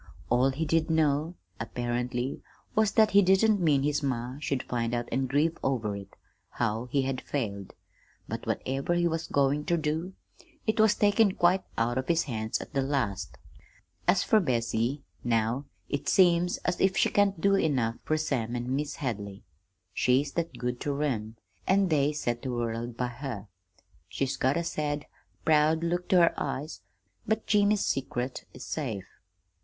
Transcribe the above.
All he did know, apparently, was that he didn't mean his ma should find out an' grieve over it how he had failed. But whatever he was goin' ter do, it was taken quite out of his hands at the last. "As fer Bessie, now, it seems as if she can't do enough fer Sam an' Mis' Hadley, she's that good ter 'em; an' they set the world by her. She's got a sad, proud look to her eyes, but Jimmy's secret is safe.